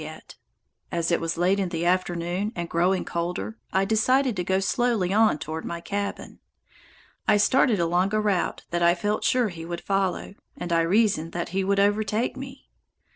As it was late in the afternoon, and growing colder, I decided to go slowly on toward my cabin. I started along a route that I felt sure he would follow, and I reasoned that he would overtake me.